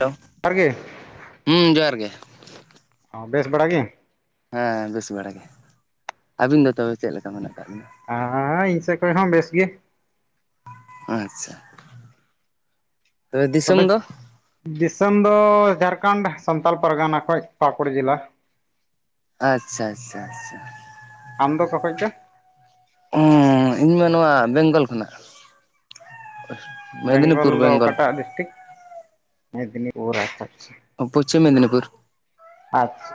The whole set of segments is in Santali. ᱦᱮᱞᱳ ᱟᱨ ᱜᱮ ᱦᱩᱸᱢ ᱡᱚᱦᱟᱨ ᱜᱮ ᱚᱸ ᱵᱮᱥ ᱵᱟᱲᱟ ᱜᱮ ᱦᱮᱸ ᱵᱮᱥ ᱵᱟᱲᱟ ᱜᱮ ᱟᱹᱵᱤᱱ ᱫᱚ ᱛᱚᱵᱮ ᱪᱮᱫ ᱞᱮᱠᱟ ᱢᱮᱱᱟᱜ ᱠᱟᱜ ᱵᱤᱱᱟ? ᱟᱭ ᱤᱧ ᱥᱮᱫ ᱠᱷᱚᱡ ᱦᱚᱸ ᱵᱮᱥ ᱜᱮ ᱟᱪᱪᱷᱟ ᱛᱚᱵᱮ ᱫᱤᱥᱚᱢ ᱫᱚ ᱫᱤᱥᱚᱢ ᱫᱚ ᱡᱷᱟᱲᱠᱷᱚᱸᱰ ᱥᱟᱱᱛᱟᱲ ᱯᱟᱨᱜᱟᱱᱟ ᱠᱷᱚᱱ ᱯᱟᱠᱩᱲ ᱡᱮᱞᱟ ᱟᱪᱪᱷᱟ ᱟᱪᱪᱷᱟ ᱟᱪᱪᱷᱟ ᱟᱢ ᱫᱚ ᱚᱠᱟ ᱠᱷᱚᱪ ᱪᱚ ᱤᱧᱢᱟ ᱱᱚᱣᱟ ᱵᱮᱝᱜᱚᱞ ᱠᱷᱚᱱᱟᱜ ᱵᱮᱝᱜᱚᱞ ᱫᱚ ᱚᱠᱟᱴᱟᱜ ᱰᱤᱥᱴᱤᱠ ᱢᱮᱫᱽᱱᱤᱯᱩᱨ ᱟᱪᱪᱷᱟ ᱟᱪᱪᱷᱟ ᱯᱚᱪᱷᱤᱢ ᱢᱮᱫᱽᱱᱤᱯᱩᱨ ᱟᱪᱪᱷᱟ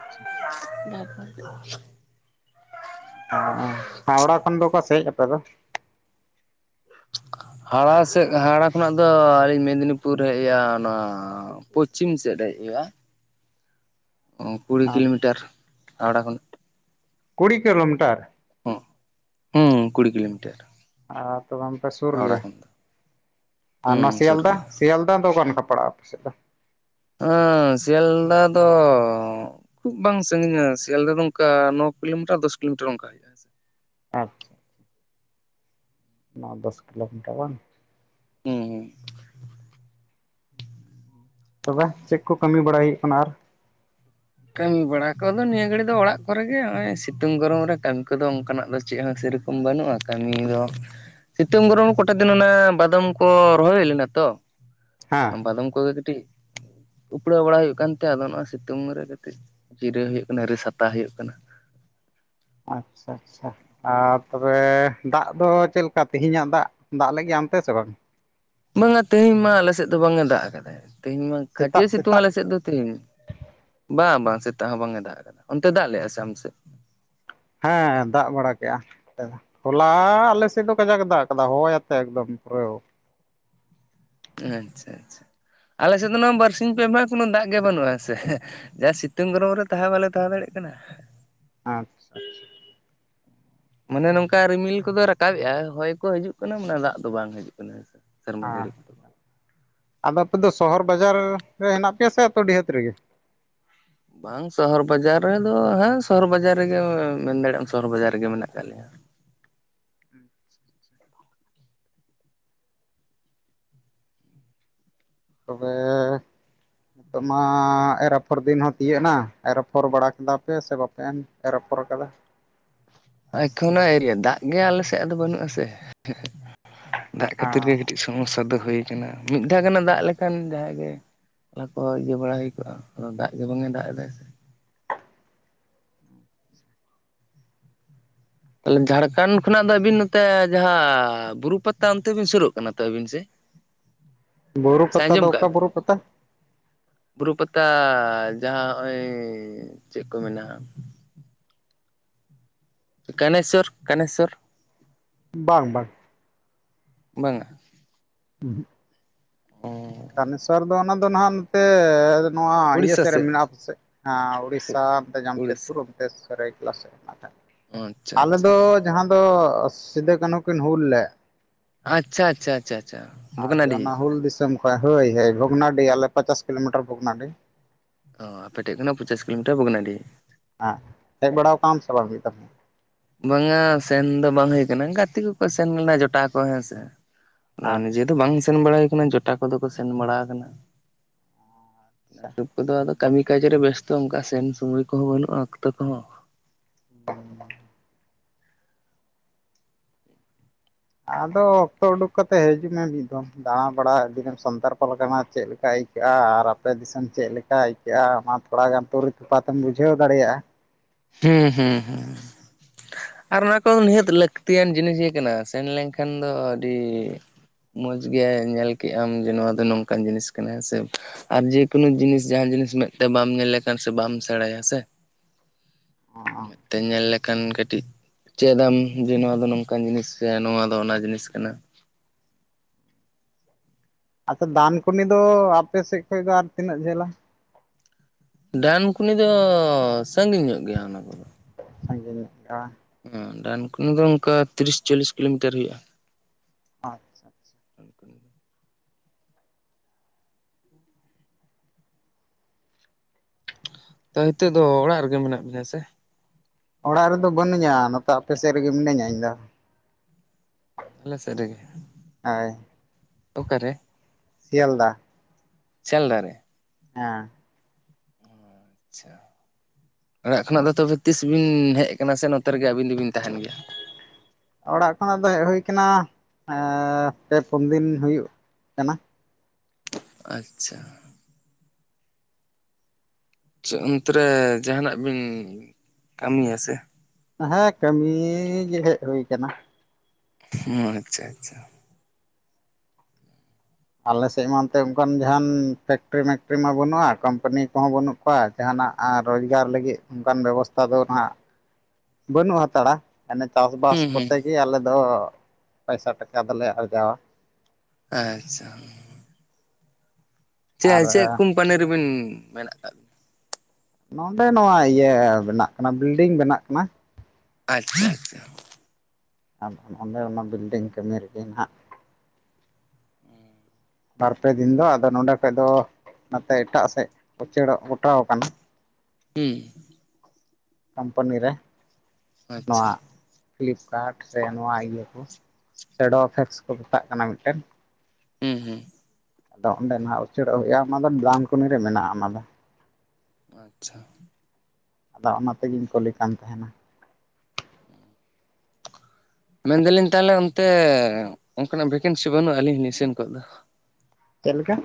ᱚ ᱦᱟᱣᱲᱟ ᱠᱷᱚᱱ ᱫᱚ ᱚᱠᱟ ᱥᱮᱫ ᱟᱯᱮ ᱫᱚ ᱦᱟᱣᱲᱟ ᱥᱮᱫ ᱦᱟᱣᱲᱟ ᱠᱷᱚᱱᱟᱜ ᱫᱚ ᱟᱹᱞᱤᱧ ᱢᱮᱫᱽᱱᱤᱯᱩᱨ ᱦᱮᱡᱼᱟ ᱚᱱᱟ ᱚ ᱯᱚᱪᱷᱤᱢ ᱥᱮᱫ ᱨᱮ ᱦᱮᱡ ᱦᱩᱭᱩᱜᱼᱟ ᱚ ᱠᱩᱲᱤ ᱟᱪᱪᱷᱟ ᱠᱤᱞᱳᱢᱤᱴᱟᱨ ᱦᱟᱣᱲᱟ ᱠᱷᱚᱱᱟᱜ ᱠᱩᱲᱤ ᱠᱤᱞᱳᱢᱤᱴᱟᱨ ᱦᱚᱸ ᱦᱩᱸ ᱠᱩᱲᱤ ᱠᱤᱞᱳᱢᱤᱴᱟᱨ ᱟᱨ ᱛᱚᱵᱮ ᱯᱮ ᱥᱩᱨ ᱦᱟᱣᱲᱟ ᱜᱮᱭᱟ ᱠᱷᱚᱱ ᱫᱚ ᱟᱨ ᱦᱩᱸ ᱱᱚᱣᱟ ᱥᱩᱨ ᱥᱤᱭᱟᱞᱫᱟ ᱜᱮᱭᱟ ᱥᱮᱭᱟᱞᱫᱟ ᱫᱚ ᱚᱠᱟ ᱱᱟᱠᱷᱟ ᱯᱟᱲᱟᱜᱼᱟ ᱥᱮᱛᱟ [unintelligible] ᱟ ᱥᱤᱭᱟᱞᱫᱟ ᱫᱚ ᱠᱷᱩᱵᱷᱵᱟᱝ ᱥᱟᱹᱜᱤᱧᱟ ᱥᱤᱭᱟᱞᱫᱟ ᱫᱚ ᱚᱱᱠᱟ ᱱᱚ ᱠᱤᱞᱳᱢᱤᱴᱟᱨ ᱫᱚᱥ ᱠᱤᱞᱳᱢᱤᱴᱟᱨ ᱚᱱᱠᱟ ᱦᱮᱸ ᱥᱮ ᱟᱪᱪᱷᱟ ᱱᱚ ᱫᱚᱥ ᱠᱤᱞᱳᱢᱤᱴᱟᱨ ᱜᱟᱱ ᱦᱩᱸ ᱦᱩᱸ ᱛᱚᱵᱮ ᱪᱮᱫ ᱠᱚ ᱠᱟᱹᱢᱤ ᱵᱟᱲᱟᱭ ᱦᱩᱭᱩᱜ ᱠᱟᱱᱟ ᱟᱨ ᱠᱟᱹᱢᱤ ᱵᱟᱲᱟ ᱠᱚᱫᱚ ᱱᱤᱭᱟᱹ ᱜᱷᱟᱹᱲᱤᱡ ᱫᱚ ᱚᱲᱟᱜ ᱠᱚᱨᱮ ᱜᱮ ᱱᱚᱜᱼᱚᱭ ᱥᱤᱛᱩᱝ ᱜᱚᱨᱚᱢ ᱨᱮ ᱠᱟᱹᱢᱤ ᱠᱚᱫᱚ ᱚᱱᱠᱟ ᱱᱟᱜ ᱫᱚ ᱪᱮᱫ ᱦᱚᱸ ᱥᱮᱨᱚᱠᱚᱢ ᱵᱟᱹᱱᱩᱜᱼᱟ ᱠᱟᱹᱢᱤ ᱫᱚ ᱥᱤᱛᱩᱝ ᱜᱚᱨᱚᱢ ᱠᱚᱴᱟ ᱫᱤᱱ ᱚᱱᱮ ᱵᱟᱫᱟᱢ ᱠᱚ ᱨᱚᱦᱚᱭ ᱦᱩᱭ ᱞᱮᱱᱟ ᱛᱚ ᱦᱮᱸ ᱚᱱᱟ ᱵᱟᱫᱟᱢ ᱠᱚᱜᱮ ᱠᱟᱹᱴᱤᱡ ᱩᱯᱲᱟᱹᱣ ᱵᱟᱲᱟ ᱦᱩᱭᱩᱜ ᱠᱟᱱ ᱛᱮ ᱟᱫᱚ ᱥᱤᱛᱩᱝ ᱨᱮ ᱠᱟᱹᱴᱤᱡ ᱡᱤᱨᱟᱹᱣ ᱦᱩᱭᱩᱜ ᱠᱟᱱᱟ ᱨᱤᱥ ᱦᱟᱛᱟᱣ ᱦᱩᱭᱩᱜ ᱠᱟᱱᱟ ᱟᱪᱪᱷᱟ ᱟᱪᱪᱷᱟ ᱟᱨ ᱛᱚᱵᱮ ᱫᱟᱜ ᱫᱚ ᱪᱮᱫ ᱞᱮᱠᱟ ᱛᱮᱦᱮᱸᱧ ᱟᱜ ᱫᱟᱜ ᱫᱟᱜ ᱞᱮᱜ ᱜᱮᱭᱟ ᱚᱱᱛᱮ ᱥᱮ ᱵᱟᱝ ᱵᱟᱝᱼᱟ ᱛᱮᱦᱮᱧ ᱢᱟ ᱟᱞᱮ ᱥᱮᱫ ᱫᱚ ᱵᱟᱝ ᱮ ᱫᱟᱜ ᱠᱟᱫᱟᱭ ᱛᱮᱦᱮᱧ ᱢᱟ ᱠᱷᱟᱪᱮ ᱥᱮᱛᱟᱜ ᱥᱤᱛᱩᱝ ᱥᱮᱛᱟᱜ ᱟᱞᱮ ᱥᱮᱫ ᱫᱚ ᱛᱮᱦᱤᱧ ᱵᱟᱝ ᱵᱟᱝ ᱥᱮᱛᱟᱜ ᱦᱚᱸ ᱵᱟᱝ ᱮ ᱫᱟᱜ ᱟᱠᱟᱫᱟ ᱚᱱᱛᱮ ᱫᱟᱜ ᱞᱮᱫᱼᱟ ᱥᱮ ᱟᱯᱮ ᱥᱮᱫ ᱦᱮᱸ ᱫᱟᱜ ᱵᱟᱲᱟ ᱠᱮᱫᱼᱟ ᱦᱚᱞᱟ ᱟᱞᱮ ᱥᱮᱫ ᱫᱚ ᱠᱟᱡᱟᱠ ᱮ ᱫᱟᱜ ᱠᱟᱫᱟ ᱦᱚᱭ ᱟᱛᱮᱫ ᱮᱠᱫᱚᱢ ᱯᱩᱨᱟᱹ ᱟᱪᱪᱷᱟ ᱟᱪᱪᱷᱟ ᱟᱞᱮ ᱥᱮᱫ ᱫᱚ ᱱᱚᱣᱟ ᱵᱟᱨᱥᱤᱧ ᱯᱮ ᱢᱟᱦᱟ ᱠᱳᱱᱳ ᱫᱟᱜ ᱜᱮ ᱵᱟᱹᱱᱩᱜ ᱟ ᱥᱮ ᱡᱟ ᱥᱤᱛᱩᱝ ᱜᱚᱨᱚᱢ ᱨᱮ ᱛᱟᱦᱮᱸ ᱵᱟᱞᱮ ᱛᱟᱦᱮᱸ ᱫᱟᱲᱮᱭᱟᱜ ᱠᱟᱱᱟ ᱟᱪᱷᱟ ᱟᱪᱪᱷᱟ ᱢᱟᱱᱮ ᱱᱚᱝᱠᱟ ᱨᱤᱢᱤᱞ ᱠᱚᱫᱚ ᱨᱟᱠᱟᱵ ᱮᱜᱼᱟ ᱦᱚᱭ ᱠᱚ ᱦᱤᱡᱩᱜ ᱠᱟᱱᱟ ᱢᱟᱱᱮ ᱫᱟᱜ ᱫᱚ ᱵᱟᱝ ᱦᱤᱡᱩᱜ ᱠᱟᱱᱟ ᱦᱮᱸᱥᱮ ᱦᱮᱸ ᱟᱫᱚ ᱟᱯᱮ ᱫᱚ ᱥᱚᱦᱚᱨ ᱵᱟᱡᱟᱨ ᱨᱮ ᱦᱮᱱᱟᱜ ᱯᱮ ᱭᱟ ᱥᱮ ᱟᱹᱛᱩ ᱰᱤᱦᱟᱹᱛ ᱨᱮᱜᱮ ᱵᱟᱝ ᱥᱚᱦᱚᱨ ᱵᱟᱡᱟᱨ ᱨᱮ ᱫᱚ ᱦᱮᱸ ᱥᱚᱦᱚᱨ ᱵᱟᱡᱟᱨ ᱨᱮ ᱜᱮ ᱢᱮᱱ ᱫᱟᱲᱮᱭᱟᱜᱼᱟᱢ ᱥᱚᱦᱚᱨ ᱵᱟᱡᱟᱨ ᱨᱮᱜᱮ ᱢᱮᱱᱟᱜ ᱟᱠᱟᱫ ᱞᱮᱭᱟ ᱛᱚᱵᱮ ᱱᱤᱛᱚᱜ ᱢᱟ ᱮᱨᱟᱯᱷᱚᱨ ᱫᱤᱱ ᱦᱚᱸ ᱛᱤᱭᱳᱟᱹᱜ ᱮᱱᱟ ᱮᱨ ᱟᱯᱷᱚᱨ ᱵᱟᱲᱟ ᱠᱮᱫᱟ ᱯᱮ ᱥᱮ ᱵᱟᱯᱮ [unintelligible] ᱮᱨ ᱟᱯᱷᱚᱨ ᱠᱟᱫᱟ ᱮᱠᱷᱚᱱᱳ ᱟᱭᱨᱤᱭᱟ ᱫᱟᱜ ᱜᱮ ᱟᱞᱮ ᱥᱮᱫ ᱫᱚ ᱵᱟᱹᱱᱩᱜ ᱟᱥᱮ ᱫᱟᱜ ᱠᱷᱟᱹᱛᱤᱨ ᱜᱮ ᱦᱮᱸ ᱠᱟᱹᱴᱤᱡ ᱥᱚᱢᱚᱥᱥᱟ ᱫᱚ ᱦᱩᱭ ᱠᱟᱱᱟ ᱢᱤᱫ ᱫᱷᱟᱣ ᱜᱟᱱ ᱮ ᱫᱟᱜ ᱞᱮᱠᱷᱟᱱ ᱡᱟᱦᱟᱸᱭ ᱜᱮ [unintelligible] ᱤᱭᱟᱹ ᱵᱟᱲᱟ ᱦᱩᱭ ᱠᱚᱜᱼᱟ ᱟᱫᱚ ᱫᱟᱜ ᱜᱮ ᱵᱟᱝ ᱮ ᱫᱟᱜ ᱮᱫᱟᱭ ᱥᱮ ᱛᱟᱦᱚᱞᱮ ᱡᱷᱟᱲᱠᱷᱚᱱᱰ ᱠᱷᱚᱱᱟᱜ ᱫᱚ ᱟᱹᱵᱤᱱ ᱱᱚᱛᱮ ᱡᱟᱦᱟᱸ ᱵᱩᱨᱩ ᱯᱟᱛᱟ ᱚᱱᱛᱮ ᱵᱤᱱ ᱥᱩᱨᱚᱜ ᱠᱟᱱᱟ ᱛᱚ ᱟᱹᱵᱤᱱ ᱥᱮ [inaudible] ᱥᱮ ᱯᱟᱛᱟ ᱫᱚ ᱟᱸᱡᱚᱢ ᱠᱟᱜ ᱚᱠᱟ ᱵᱤᱱ ᱵᱩᱨᱩ ᱯᱟᱛᱟ ᱵᱩᱨᱩ ᱯᱟᱛᱟ ᱡᱟᱦᱟᱸ ᱱᱚᱜᱼᱚᱭ ᱪᱮᱫ ᱠᱚ ᱢᱮ ᱠᱟᱱᱟᱭᱥᱚᱨ ᱠᱟᱱᱟᱭᱥᱚᱨ ᱵᱟᱝ ᱵᱟᱝ ᱵᱟᱝᱟ ᱩᱦᱩᱜ [unintelligible] ᱠᱟᱱᱟᱭᱥᱚᱨ ᱫᱚ ᱚᱱᱟ ᱫᱚ ᱦᱟᱜ ᱱᱚ ᱛᱮ ᱱᱚᱣᱟ ᱤᱭᱟᱹ ᱥᱮᱫ ᱨᱮ ᱢᱮᱱᱟᱜ ᱟᱯᱮ ᱥᱮᱫ ᱩᱲᱤᱥ ᱥᱟ ᱡᱟᱢᱥᱮᱫᱽᱯᱩᱨ ᱩᱲᱤᱥᱥᱟ [unintelligible] ᱥᱨᱟᱭᱠᱮᱞᱟ ᱥᱮᱫ ᱟᱪᱪᱷᱟ ᱟᱞᱮ ᱟᱪᱪᱷᱟ ᱫᱚ ᱡᱟᱦᱟᱸ ᱫᱚ ᱥᱤᱫᱩ ᱠᱟᱹᱱᱦᱩ ᱠᱤᱱ ᱦᱩᱞ ᱞᱮᱫ ᱟᱪᱪᱷᱟ ᱟᱪᱪᱷᱟ ᱞᱮᱫ ᱵᱷᱩᱜᱽᱱᱟᱰᱤ ᱚᱱᱟ ᱦᱩᱞ ᱫᱤᱥᱚᱢ ᱦᱳᱭ ᱦᱳᱭ ᱵᱷᱚᱜᱽᱱᱟᱰᱤ ᱟᱞᱮ ᱯᱚᱪᱟᱥ ᱠᱤᱞᱳ ᱢᱤᱴᱟᱨ ᱵᱷᱚᱜᱽᱱᱟᱰᱤ ᱚ ᱟᱯᱮ ᱴᱷᱮᱡ ᱠᱷᱚᱱᱟᱡ ᱯᱚᱪᱟᱥ ᱠᱤᱞᱳᱢᱤᱴᱟᱨ ᱵᱟᱜᱽᱱᱟᱰᱤ ᱦᱮᱸ ᱦᱮᱡ ᱵᱟᱲᱟ ᱠᱟᱜ ᱟᱢ ᱥᱮ ᱵᱟᱝ ᱦᱩᱭᱩᱜ ᱛᱟᱢᱟ ᱵᱟᱝᱼᱟ ᱥᱮᱱ ᱫᱚ ᱵᱟᱝ ᱦᱩᱭ ᱠᱟᱱᱟ ᱜᱟᱛᱮ ᱠᱚ ᱠᱚ ᱥᱮᱱ ᱞᱮᱱᱟ ᱡᱚᱴᱟᱣ ᱠᱚ ᱦᱮᱸ ᱥᱮ ᱟᱨ ᱱᱤᱡᱮ ᱟᱪᱪᱷᱟ ᱫᱚ ᱵᱟᱝ ᱥᱮᱱ ᱵᱟᱲ ᱦᱩᱭ ᱠᱟᱱᱟ ᱡᱚᱴᱟᱣ ᱠᱚ ᱫᱚ ᱠᱚ ᱥᱮᱱ ᱵᱟᱲ ᱠᱟᱱᱟ ᱟᱪᱪᱷᱟ [unintelligible] ᱠᱚᱫᱚ ᱟᱫᱚ ᱠᱟᱹᱢᱤ ᱠᱟᱡᱽ ᱨᱮ ᱵᱮᱥᱛᱚ ᱚᱱᱠᱟ ᱥᱮᱱ ᱥᱚᱢᱚᱭ ᱠᱚᱦᱚᱸ ᱵᱟᱹᱱᱩᱜᱼᱟ ᱚᱠᱛᱚ ᱠᱚᱦᱚᱸ [inaudible] ᱟᱫᱚ ᱚᱠᱛᱚ ᱩᱰᱩᱠ ᱠᱟᱛᱮᱫ ᱦᱤᱡᱩᱜ ᱢᱮ ᱢᱤᱫ ᱫᱷᱚᱢ ᱫᱟᱬᱟ ᱵᱟᱲᱟ ᱟᱹᱰᱤ ᱢᱮ ᱥᱟᱱᱛᱟᱲ ᱯᱟᱨᱜᱟᱱᱟ ᱪᱮᱫ ᱞᱮᱠᱟ ᱟᱹᱠᱟᱹᱜᱼᱟ ᱟᱨ ᱟᱯᱮ ᱫᱤᱥᱚᱢ ᱪᱮᱫ ᱞᱮᱠᱟ ᱟᱹᱭᱠᱟᱹᱜᱼᱟ ᱚᱱᱟ ᱛᱷᱚᱲᱟ ᱜᱟᱱ ᱛᱩᱨᱤ ᱛᱚᱯᱷᱟ ᱛᱮᱢ ᱵᱩᱡᱷᱟᱹᱣ ᱫᱟᱲᱮᱭᱟᱜᱼᱟ ᱦᱩᱸ ᱦᱩᱸ ᱦᱩᱸ ᱟᱨ ᱚᱱᱟ ᱠᱚ ᱦᱚ ᱱᱤᱦᱟᱹᱛ ᱞᱟᱹᱠᱛᱤ ᱭᱟᱱ ᱡᱤᱱᱤᱥ ᱜᱮ ᱠᱟᱱᱟ ᱥᱮᱱ ᱞᱮᱱ ᱠᱷᱟᱱ ᱫᱚ ᱟᱹᱰᱤ ᱢᱚᱸᱡᱽ ᱜᱮ ᱧᱮᱞ ᱠᱮᱫ ᱟᱢ ᱡᱮ ᱱᱚᱣᱟ ᱫᱚ ᱱᱚᱝ ᱠᱟᱱ ᱡᱤᱱᱤᱥ ᱠᱟᱱᱟ ᱦᱮᱥᱮ ᱟᱨ ᱡᱮ ᱠᱳᱱᱳ ᱡᱤᱱᱤᱥ ᱡᱟᱦᱟᱸᱱ ᱡᱤᱱᱤᱥ ᱢᱮᱫ ᱛᱮ ᱵᱟᱢ ᱧᱮᱞ ᱞᱮᱠᱷᱟᱱ ᱥᱮ ᱵᱟᱢ ᱥᱮᱬᱟᱭᱟ ᱥᱮ ᱚ ᱢᱮᱫ ᱛᱮ ᱧᱮᱞ [unintelligible] ᱠᱷᱟᱱ ᱠᱟᱹᱴᱤᱡ ᱪᱮᱫᱟᱢ ᱡᱮ ᱱᱚᱣᱟ ᱫᱚ ᱱᱚᱝᱠᱟᱱ ᱡᱤᱱᱤᱥ ᱥᱮ ᱱᱚᱣᱟ ᱫᱚ ᱚᱱᱟ ᱡᱤᱱᱤᱥ ᱠᱟᱱᱟ। ᱟᱫᱚ ᱫᱟᱱᱠᱩᱱᱤ ᱫᱚ ᱟᱯᱮ ᱥᱮᱫ ᱠᱷᱚᱡ ᱫᱚ ᱟᱨ ᱛᱤᱱᱟᱹᱜ ᱡᱷᱟᱹᱞᱟ? ᱫᱟᱱᱠᱩᱱᱤ ᱫᱚ ᱥᱟᱺᱜᱤᱧ ᱧᱚᱜ ᱜᱮᱭᱟ ᱚᱱᱟ ᱠᱚᱫᱚ। ᱥᱟᱹᱜᱤᱧ ᱧᱚᱜ ᱜᱮᱭᱟ। ᱦᱮᱸ ᱰᱟᱱᱠᱩᱱᱤ ᱫᱚ ᱚᱱᱠᱟ ᱛᱤᱨᱤᱥ ᱪᱚᱞᱞᱤᱥ ᱠᱤᱞᱳᱢᱤᱴᱟᱨ ᱦᱩᱭᱩᱜᱼᱟ। ᱟᱪᱪᱷᱟ ᱟᱪᱪᱷᱟ [inaudible] ᱛᱚ ᱦᱤᱛᱳᱜ ᱫᱚ ᱚᱲᱟᱜ ᱨᱮᱜᱮ ᱢᱮᱱᱟᱜ ᱵᱤᱱᱟ ᱥᱮ? ᱚᱲᱟᱜ ᱨᱮᱫᱚ ᱵᱟᱹᱱᱩᱧᱟ ᱱᱚᱛᱮ ᱟᱯᱮ ᱥᱮᱫ ᱨᱮᱜᱮ ᱢᱤᱱᱟᱹᱧᱟ ᱤᱧ ᱫᱚ। ᱟᱞᱮ ᱥᱮᱫ ᱨᱮᱜᱮ ᱦᱳᱭ ᱚᱠᱟᱨᱮ ᱥᱤᱭᱟᱞᱫᱟ ᱥᱤᱭᱟᱞᱫᱟ ᱨᱮ ᱦᱮᱸ ᱟᱪᱪᱷᱟ ᱚᱲᱟᱜ ᱠᱷᱚᱱᱟᱜ ᱫᱚ ᱛᱚᱵᱮ ᱛᱤᱥ ᱵᱤᱱ ᱦᱮᱡ ᱟᱠᱟᱱᱟ ᱥᱮ ᱱᱚᱛᱮ ᱨᱮᱜᱮ ᱟᱹᱵᱤᱱ ᱫᱚᱵᱤᱱ ᱛᱟᱦᱮᱱ ᱜᱮᱭᱟ? ᱚᱲᱟᱜ ᱠᱷᱚᱱᱟᱜ ᱫᱚ ᱦᱮᱡ ᱦᱩᱭ ᱠᱟᱱᱟ ᱮᱻ ᱯᱮ ᱯᱩᱱ ᱫᱤᱱ ᱦᱩᱭᱩᱜ ᱠᱟᱱᱟ। ᱟᱪᱪᱷᱟ ᱪᱮᱫ ᱚᱱᱛᱮ ᱨᱮ ᱡᱟᱦᱟᱱᱟᱜ ᱵᱤᱱ ᱠᱟᱹᱢᱤᱭᱟ ᱥᱮ? ᱦᱮᱸ ᱠᱟᱹᱢᱤᱻ ᱜᱮ ᱦᱮᱡ ᱦᱩᱭ ᱟᱠᱟᱱᱟ। ᱦᱚᱸᱻ ᱟᱪᱪᱷᱟ ᱟᱪᱪᱷᱟ ᱟᱞᱮᱥᱮᱫ ᱢᱟ ᱚᱱᱛᱮ ᱚᱱᱠᱟᱱ ᱡᱟᱦᱟᱱ ᱯᱷᱮᱠᱴᱨᱤ ᱢᱮᱮᱠᱴᱨᱤ ᱢᱟ ᱵᱟᱹᱱᱩᱜᱼᱟ ᱠᱳᱢᱯᱟᱱᱤ ᱠᱚᱦ ᱵᱟᱹᱱᱩᱜ ᱠᱚᱣᱟ ᱡᱟᱦᱟᱱᱟᱜ ᱟᱨ ᱨᱳᱡᱽᱜᱟᱨ ᱞᱟᱹᱜᱤᱫ ᱚᱱᱠᱟᱱ ᱵᱮᱵᱚᱥᱛᱷᱟ ᱫᱚ ᱱᱷᱟᱜ ᱼᱼ ᱵᱟᱹᱱᱩᱜ ᱦᱟᱛᱟᱲᱟ ᱢᱟᱱᱮ ᱪᱟᱥᱵᱟᱥ ᱦᱩᱸ ᱦᱩᱸ ᱠᱚᱛᱮ ᱜᱮ ᱟᱞᱮᱫᱚ ᱯᱟᱭᱥᱟ ᱴᱟᱠᱟ ᱫᱚᱞᱮ ᱟᱨᱡᱟᱣᱟ। ᱟᱪᱪᱷᱟ ᱪᱮᱭ ᱟᱨ ᱪᱮᱫ ᱠᱳᱢᱯᱟᱱᱤ ᱨᱮᱵᱤᱱ ᱢᱮᱱᱟᱜ ᱠᱟᱜ ᱵᱤᱱᱟ? ᱱᱚᱰᱮ ᱱᱚᱣᱟ ᱤᱭᱟᱹ ᱵᱮᱱᱟᱜ ᱠᱟᱱᱟ ᱵᱤᱞᱰᱤᱝ ᱵᱮᱱᱟᱜ ᱠᱟᱱᱟ। ᱟᱪᱪᱷᱟ ᱟᱪᱪᱷᱟ ᱟᱫᱚ ᱱᱚᱰᱮ ᱚᱱᱟ ᱵᱤᱞᱰᱤᱝ ᱠᱟᱹᱢᱤ ᱨᱮᱜᱮ ᱱᱟᱦᱟᱜ᱾ ᱵᱟᱨᱯᱮ ᱫᱤᱱ ᱫᱚ ᱟᱫᱚ ᱱᱚᱰᱮ ᱠᱷᱚᱡ ᱫᱚ ᱱᱚᱛᱮ ᱮᱴᱟᱜ ᱥᱮᱫ ᱩᱪᱟᱹᱲᱚᱜ ᱜᱚᱴᱟᱣ ᱠᱟᱱᱟ। ᱦᱮᱸ ᱠᱳᱢᱯᱟᱱᱤ ᱨᱮ ᱟᱪᱪᱷᱟ ᱱᱚᱣᱟ ᱯᱷᱤᱞᱤᱯᱠᱟᱨᱴ ᱥᱮ ᱱᱚᱣᱟ ᱤᱭᱟᱹ ᱠᱚ ᱥᱮ ᱰᱳᱯᱷᱮᱠᱥ ᱠᱚ ᱢᱮᱛᱟᱜ ᱠᱟᱱᱟ ᱢᱤᱫᱴᱮᱱ। ᱦᱩᱸ ᱦᱩᱸ ᱟᱫᱚ ᱚᱸᱰᱮ ᱱᱷᱟᱜ ᱩᱪᱟᱹᱲᱚᱜ ᱦᱩᱭᱩᱜᱼᱟ ᱚᱱᱟ ᱫᱚ ᱰᱨᱟᱢᱠᱚᱱᱤ ᱨᱮ ᱢᱮᱱᱟᱜᱼᱟ ᱚᱱᱟ ᱫᱚ। ᱟᱪᱪᱷᱟ ᱟᱫᱚ ᱚᱱᱟ ᱛᱮ ᱜᱤᱧ ᱠᱩᱞᱤ ᱠᱟᱱ ᱛᱟᱦᱮᱸᱱᱟ। ᱢᱮᱱ ᱮᱫᱟᱞᱤᱧ ᱛᱟᱦᱟᱞᱮ ᱚᱱᱛᱮ ᱚᱱᱠᱟᱱᱟᱜ ᱵᱷᱮᱠᱮᱱᱥᱤ ᱵᱟᱹᱱᱩᱜᱼᱟ? ᱟᱹᱞᱤᱧ ᱦᱚᱸᱞᱤᱧ ᱥᱮᱱ ᱠᱚᱜ ᱫᱚ। ᱪᱮᱫ ᱞᱮᱠᱟ?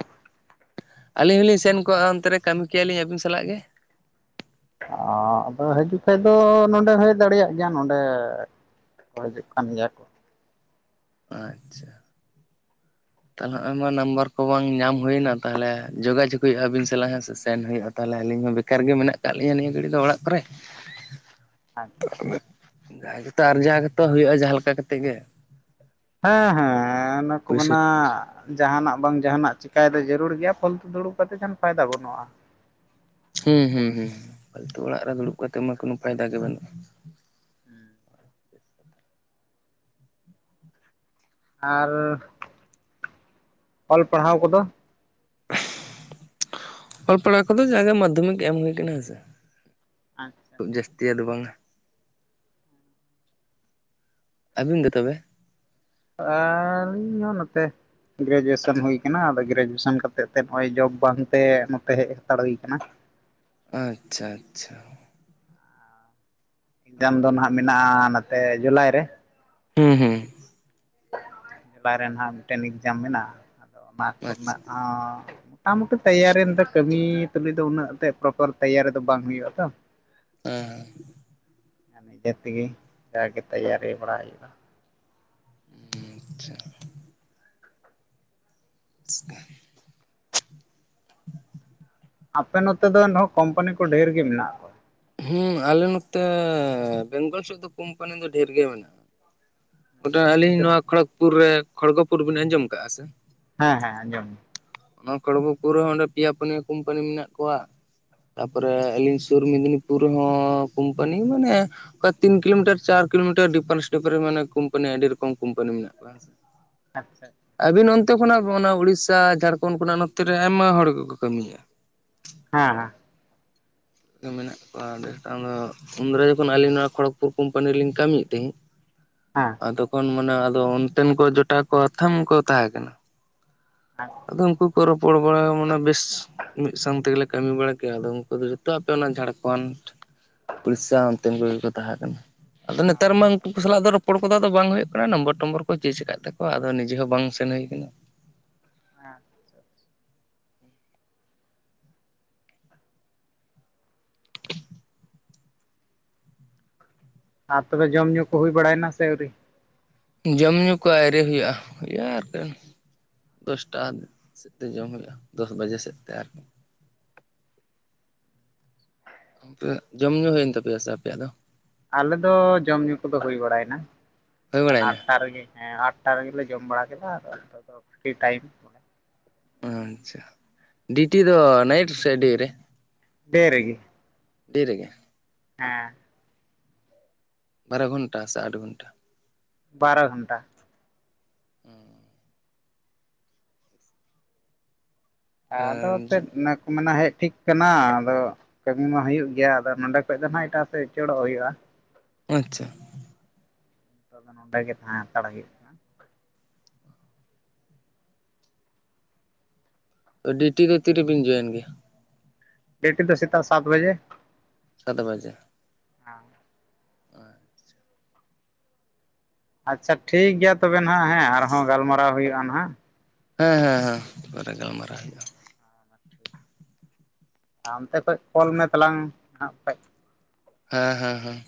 ᱟᱹᱞᱤᱧ ᱦᱚᱞᱤᱧ ᱥᱮᱱ ᱠᱚᱜᱼᱟ ᱚᱱᱛᱮ ᱨᱮ ᱠᱟᱹᱢᱤ ᱠᱮᱭᱟ ᱞᱤᱧ ᱟᱹᱵᱤᱱ ᱥᱟᱞᱟᱜ ᱜᱮ। ᱚ ᱟᱫᱚ ᱦᱤᱡᱩᱜ ᱠᱷᱟᱱ ᱫᱚ ᱱᱚᱸᱰᱮ ᱦᱮᱡ ᱫᱟᱲᱮᱭᱟᱜ ᱜᱮᱭᱟ ᱱᱚᱰᱮ ᱼᱼ ᱠᱷᱚᱡᱚᱜ ᱠᱟᱱ ᱜᱮᱭᱟ ᱠᱚ। ᱟᱪᱪᱷᱟ ᱛᱟᱦᱟᱞᱮ ᱦᱚᱸᱜ-ᱚᱭ ᱢᱟ ᱱᱟᱢᱵᱟᱨ ᱠᱚ ᱵᱟᱝ ᱧᱟᱢ ᱦᱩᱭᱮᱱᱟ ᱛᱟᱦᱟᱞᱮ ᱡᱳᱜᱟᱡᱳᱜᱽ ᱦᱩᱭᱩᱜᱼᱟ ᱟᱹᱵᱤᱱ ᱥᱟᱞᱟᱜ ᱦᱮᱸ ᱥᱮ ᱥᱮᱱ ᱦᱩᱭᱩᱜᱼᱟ ᱛᱟᱦᱟᱞᱮ ᱟᱹᱞᱤᱧ ᱦᱚᱸ ᱵᱮᱠᱟᱨ [inaudible] ᱠᱟᱨ ᱜᱮ ᱢᱮᱱᱟᱜ ᱟᱠᱟᱫ ᱞᱤᱧᱟ ᱱᱤᱭᱟᱹ ᱜᱷᱟᱹᱲᱤ ᱫᱚ ᱚᱲᱟᱜ ᱠᱚᱨᱮ। ᱟᱪᱪᱷᱟ [inaudible] ᱡᱟᱦᱟᱸ ᱜᱮᱛᱚ ᱟᱨᱡᱟᱣ ᱜᱮᱛᱚ ᱦᱩᱭᱩᱜᱼᱟ ᱡᱟᱦᱟᱸ ᱞᱮᱠᱟ ᱠᱟᱛᱮ ᱜᱮ। ᱦᱮᱸ ᱦᱮᱸ ᱚᱱᱟ ᱠᱚ ᱯᱩᱭᱥᱟᱹ ᱢᱮᱱᱟ ᱼᱼ ᱡᱟᱦᱟᱸᱱᱟᱜ ᱵᱟᱝ ᱡᱟᱦᱟᱸᱱᱟᱜ ᱪᱤᱠᱟᱹᱭ ᱫᱚ ᱡᱟᱹᱨᱩᱲ ᱜᱮᱭᱟ ᱯᱷᱟᱹᱞᱛᱩ ᱫᱩᱲᱩᱵ ᱠᱟᱛᱮ ᱡᱟᱦᱟᱸᱱ ᱯᱷᱟᱭᱫᱟ ᱵᱟᱹᱱᱩᱜᱼᱟ ᱦᱩᱸ ᱦᱩᱸ ᱦᱩᱸ ᱯᱷᱟᱹᱞᱛᱩ ᱚᱲᱟᱜ ᱨᱮ ᱫᱩᱲᱩᱵ ᱠᱟᱛᱮ ᱢᱟ ᱠᱳᱱᱳ ᱯᱷᱟᱭᱫᱟ ᱜᱮ ᱵᱟᱹᱱᱩᱜᱼᱟ ᱦᱩᱸ ᱟᱨ ᱚᱞ ᱯᱟᱲᱦᱟᱣ ᱠᱚᱫᱚ ᱚᱞ ᱯᱟᱲᱦᱟᱣ ᱠᱚᱫᱚ ᱡᱟᱜᱮ ᱢᱟᱫᱽᱫᱷᱚᱢᱤᱠ ᱮᱢ ᱦᱩᱭᱩᱠᱟᱱᱟ ᱦᱮᱸᱥᱮ ᱟᱪᱪᱷᱟ ᱠᱷᱩᱵ ᱟᱪᱪᱷᱟ ᱡᱟᱹᱥᱛᱤᱭᱟ ᱫᱚ ᱵᱟᱝᱟ ᱟᱹᱵᱤᱱ ᱫᱚ ᱛᱚᱵᱮ ᱟᱹᱞᱤᱧ ᱦᱚᱸ ᱱᱚᱛᱮ ᱜᱨᱮᱡᱩᱭᱮᱥᱚᱱ ᱦᱩᱭ ᱟᱠᱟᱱᱟ ᱟᱫᱚ ᱜᱨᱮᱡᱩᱭᱮᱥᱚᱱ ᱠᱟᱛᱮᱫ ᱛᱮ ᱱᱚᱜᱼᱚᱭ ᱡᱚᱵ ᱵᱟᱝᱛᱮ ᱱᱚᱛᱮ ᱦᱮᱡ ᱦᱟᱛᱟᱲ ᱦᱩᱭ ᱟᱠᱟᱱᱟ ᱟᱪᱪᱷᱟ ᱟᱪᱪᱷᱟ ᱮᱠᱡᱟᱢ ᱫᱚ ᱦᱩᱸ ᱱᱟᱦᱟᱜ ᱢᱮᱱᱟᱜᱼᱟ ᱱᱚᱛᱮ ᱡᱩᱞᱟᱭ ᱨᱮ ᱦᱩᱸ ᱦᱩᱸ ᱡᱩᱞᱟᱭ ᱨᱮ ᱱᱟᱦᱟᱸᱜ ᱢᱤᱫᱴᱮᱱ ᱮᱠᱡᱟᱢ ᱢᱮᱱᱟᱜᱼᱟ ᱟᱫᱚ ᱚᱱᱟ ᱟᱪᱪᱷᱟ ᱠᱚᱨᱮᱱᱟᱜ ᱦᱚᱸ ᱢᱳᱴᱟᱢᱩᱴᱤ ᱛᱮᱭᱟᱨᱤ ᱫᱚ ᱠᱟᱹᱢᱤ ᱛᱩᱞᱩᱡ ᱫᱚ ᱩᱱᱟᱹᱜ ᱛᱮ ᱯᱨᱚᱯᱟᱨ ᱛᱮᱟᱨᱤ ᱫᱚ ᱵᱟᱝ ᱦᱩᱭᱩᱜᱼᱟ ᱛᱚ ᱦᱮᱸᱮ ᱱᱤᱡᱮ ᱛᱮᱜᱮ ᱡᱟᱜᱮ ᱛᱮᱭᱟᱨᱤ ᱵᱟᱲᱟ ᱦᱩᱭᱩᱜᱼᱟ ᱟᱪᱪᱷᱟ [inaudible] [unintelligible] ᱟᱯᱮ ᱱᱚᱛᱮ ᱫᱚ ᱮᱱᱦᱚᱸ ᱠᱳᱢᱯᱟᱱᱤ ᱠᱚ ᱰᱷᱮᱨ ᱜᱮ ᱢᱮᱱᱟᱜᱼᱟ ᱦᱮᱸ ᱟᱞᱮ ᱱᱚᱛᱮ ᱵᱮᱝᱜᱚᱞ ᱥᱮᱫ ᱫᱚ ᱠᱳᱢᱯᱟᱱᱤ ᱫᱚ ᱰᱷᱮᱨ ᱜᱮ ᱢᱮᱱᱟᱜᱼᱟ ᱜᱚᱴᱟ ᱟᱹᱞᱤᱧ ᱦᱮᱸᱥᱮ? ᱱᱚᱣᱟ ᱠᱷᱚᱲᱚᱜᱽᱯᱩᱨ ᱨᱮ ᱠᱷᱚᱲᱜᱚᱯᱩᱨ ᱵᱤᱱ ᱟᱸᱡᱚᱢ ᱟᱠᱟᱫᱼᱟ ᱥᱮ ᱦᱮᱸ ᱦᱮᱸ ᱟᱸᱡᱚᱢ ᱚᱱᱟ ᱠᱚᱲᱜᱚᱯᱩᱨ ᱨᱮᱦᱚᱸ ᱚᱸᱰᱮ ᱯᱮᱭᱟ ᱯᱩᱱᱭᱟᱟᱹ ᱠᱳᱢᱯᱟᱱᱤ ᱢᱮᱱᱟᱜ ᱠᱚᱣᱟ ᱛᱟᱯᱚᱨᱮ ᱟᱹᱞᱤᱧ ᱥᱩᱨ ᱢᱮᱫᱽᱱᱤᱯᱩᱨ ᱨᱮᱦᱚᱸ ᱠᱳᱢᱯᱟᱱᱤ ᱢᱟᱱᱮ ᱚᱱᱠᱟ ᱛᱤᱱ ᱠᱤᱞᱳᱢᱤᱴᱟᱨ ᱪᱟᱨ ᱠᱤᱞᱳᱢᱤᱴᱟᱨ ᱰᱤᱯᱷᱟᱨᱮᱱᱥ ᱰᱤᱯᱟᱨᱥ ᱢᱟᱱ ᱠᱳᱢᱯᱟᱱᱤ ᱟᱹᱰᱤ ᱨᱚᱠᱚᱢ ᱠᱳᱢᱯᱟᱱᱤ ᱢᱮᱱᱟᱜ ᱠᱚᱣᱟ ᱟᱪᱪᱷᱟ ᱟᱹᱵᱤᱱ ᱚᱱᱛᱮ ᱠᱷᱚᱱᱟᱜ ᱚᱱᱟ ᱩᱲᱤᱥᱥᱟ ᱡᱷᱟᱲᱠᱷᱚᱸᱰ ᱠᱷᱚᱱᱟᱜ ᱱᱚᱛᱮᱨᱮ ᱟᱭᱢᱟ ᱦᱚᱲ ᱜᱮᱠᱚ ᱠᱟᱹᱢᱤᱭᱮᱫ-ᱟ ᱦᱮᱸ ᱦᱮᱸ ᱢᱮᱱᱟᱜ ᱠᱚᱣᱟ ᱟᱰᱤ ᱜᱚᱴᱟᱝ ᱟᱫᱚ ᱩᱱ ᱫᱟᱨᱟ ᱡᱚᱠᱷᱚᱱ ᱟᱹᱞᱤᱧ ᱱᱚᱣᱟ ᱠᱷᱚᱲᱚᱜᱽᱯᱩᱨ ᱠᱳᱢᱯᱟᱱᱤ ᱨᱮᱞᱤᱧ ᱠᱟᱹᱢᱤᱭᱮᱫ ᱛᱤᱦᱤᱜ ᱦᱮᱸ ᱟ ᱛᱚᱠᱷᱚᱱ ᱢᱟᱱᱮ ᱟᱫᱚ ᱚᱱᱛᱮᱱ ᱠᱚ ᱡᱚᱴᱟ ᱠᱚ ᱟᱛᱷᱟᱢ ᱠᱚ ᱛᱟᱦᱮᱸ ᱠᱟᱱᱟ ᱦᱟᱸ ᱟᱫᱚ ᱩᱱᱠᱩ ᱠᱚ ᱨᱚᱯᱚᱲ ᱵᱟᱲᱟ ᱢᱟᱱᱮ ᱵᱮᱥ ᱢᱤᱫ ᱥᱟᱝ ᱛᱮᱜᱮ ᱞᱮ ᱠᱟᱹᱢᱤ ᱵᱟᱲᱟ ᱠᱮᱭᱟ ᱟᱫᱚ ᱩᱱᱠᱩ ᱫᱚ ᱡᱷᱚᱛᱚ ᱟᱯᱮ ᱚᱱᱟ ᱡᱷᱟᱲᱠᱷᱚᱸᱰ ᱩᱲᱤᱥᱥᱟ ᱚᱱᱛᱮᱱ ᱠᱚ ᱜᱮ ᱠᱚ ᱛᱟᱸᱦᱮ ᱠᱟᱱᱟ ᱟᱫᱚ ᱱᱮᱛᱟᱨ ᱢᱟᱝ ᱩᱝᱠᱩ ᱥᱟᱞᱟᱜ ᱫᱚ ᱨᱚᱯᱚᱲ ᱠᱚᱫᱚ ᱟᱫᱚ ᱵᱟᱝ ᱦᱩᱭᱩᱜ ᱠᱟᱱᱟ ᱱᱟᱢᱵᱚᱨ ᱴᱚᱢᱵᱚᱨ ᱠᱚ ᱪᱮᱡᱽ ᱠᱟᱜ ᱛᱟᱠᱚᱣᱟ ᱟᱫᱚ ᱱᱤᱡᱮ ᱦᱚᱸ ᱵᱟᱝ ᱥᱮᱱ ᱦᱩᱭᱠᱟᱱᱟ ᱦᱮᱸ [inaudible] ᱟᱨ ᱛᱚᱵᱮ ᱡᱚᱢ ᱧᱩ ᱠᱚ ᱦᱩᱭ ᱵᱟᱲᱟᱭ ᱱᱟ ᱥᱮ ᱟᱹᱣᱨᱤ? ᱡᱚᱢ ᱧᱩ ᱠᱚ ᱟᱭᱨᱤ ᱦᱩᱭᱩᱜᱼᱟ ᱦᱩᱭᱩᱜᱼᱟ ᱟᱨᱠᱤ ᱫᱚᱥᱴᱟ ᱥᱮᱫ ᱛᱮ ᱡᱚᱢ ᱦᱩᱭᱩᱜᱼᱟ ᱫᱚᱥ ᱵᱟᱡᱮ ᱥᱮᱫ ᱛᱮ ᱟᱨᱠᱤ ᱡᱚᱢ ᱧᱩ ᱦᱩᱭᱮᱱ ᱛᱟᱯᱮᱭᱟ ᱥᱮ ᱟᱯᱮᱭᱟᱜ ᱫᱚ? ᱟᱞᱮ ᱫᱚ ᱡᱚᱢ ᱧᱩ ᱠᱩᱫᱚ ᱦᱩᱭ ᱵᱟᱲᱟᱭᱱᱟ ᱦᱩᱭ ᱦᱟᱱᱮ ᱵᱟᱲᱟᱭᱮᱱᱟ ᱟᱴᱴᱟ ᱨᱮᱜᱮ ᱦᱮᱸ ᱟᱴᱴᱟ ᱨᱮᱜᱮᱞᱮ ᱡᱚᱢ ᱵᱟᱲᱟ ᱠᱮᱫᱟ ᱟᱫᱚ ᱯᱷᱨᱤ ᱴᱟᱭᱤᱢ ᱟᱪᱪᱷᱟ ᱰᱤᱴᱤ ᱫᱚ ᱱᱟᱭᱤᱴ ᱥᱮ ᱰᱮ ᱨᱮ? ᱰᱮ ᱨᱮᱜᱮ ᱰᱮ ᱨᱮᱜᱮ ᱦᱮᱸ ᱵᱟᱨᱚ ᱜᱷᱚᱱᱴᱟ ᱥᱮ ᱟᱴ ᱜᱷᱚᱱᱴᱟ? ᱵᱟᱨᱚ ᱜᱷᱚᱱᱴᱟ ᱦᱸᱢ ᱟᱫᱚ ᱥᱮᱫ ᱱᱟᱠ ᱢᱟᱱᱟ ᱦᱮᱡ ᱴᱷᱤᱠ ᱠᱟᱱᱟ ᱟᱫᱚ ᱠᱟᱹᱢᱤ ᱢᱟ ᱦᱩᱭᱩᱜ ᱜᱮᱭᱟ ᱟᱫᱚ ᱱᱚᱸᱰᱮ ᱠᱷᱚᱡ ᱫᱚ ᱱᱟᱦᱟᱜ ᱤᱴᱟᱜ ᱥᱮᱫ ᱩᱪᱟᱹᱲᱚᱜ ᱦᱩᱭᱩᱜ-ᱟ ᱟᱪᱪᱷᱟ ᱱᱚᱸᱰᱮ ᱜᱮ ᱛᱟᱸᱦᱮ ᱦᱟᱛᱟᱲ ᱦᱩᱭᱩᱜ-ᱟ ᱛᱚ ᱰᱤᱴᱤ ᱫᱚ ᱛᱤᱨᱮᱵᱤᱱ ᱡᱚᱭᱮᱱ ᱜᱮᱭᱟ? ᱰᱤᱴᱤ ᱫᱚ ᱥᱮᱛᱟᱜ ᱥᱟᱛ ᱵᱟᱡᱮ ᱥᱟᱛ ᱵᱟᱡᱮ ᱦᱩᱸ ᱟᱪᱪᱷᱟ ᱴᱷᱤᱠ ᱜᱮᱭᱟ ᱛᱚᱵᱮ ᱱᱟᱦᱟᱜ ᱦᱮ ᱟᱨᱦᱚᱸ ᱜᱟᱞᱢᱟᱨᱟᱣ ᱦᱩᱭᱩᱜ-ᱟ ᱱᱟᱦᱟᱜ ᱦᱮᱸ ᱦᱮᱸ ᱦᱮᱸ ᱯᱚᱨᱮ ᱜᱟᱞᱢᱟᱨᱟᱣ ᱦᱩᱭᱩᱜ-ᱟ ᱴᱷᱤᱠ ᱟᱢ ᱛᱮ ᱠᱷᱚᱡ ᱠᱚᱞ ᱢᱮ ᱛᱟᱞᱟᱝ ᱦᱟᱸᱜ ᱠᱷᱟᱡ ᱦᱮᱸ ᱦᱮᱸ ᱦᱮᱸ